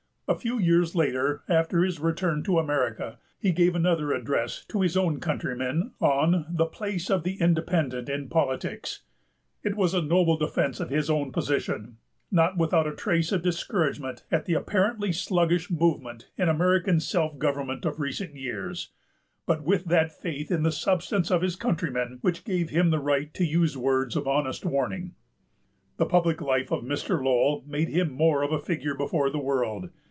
A few years later, after his return to America, he gave another address to his own countrymen on The Place of the Independent in Politics. It was a noble defense of his own position, not without a trace of discouragement at the apparently sluggish movement in American self government of recent years, but with that faith in the substance of his countrymen which gave him the right to use words of honest warning. The public life of Mr. Lowell made him more of a figure before the world.